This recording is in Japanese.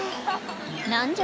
何じゃ？